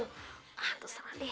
nah tuh serang deh